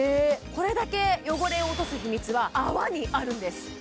これだけ汚れを落とす秘密は泡にあるんです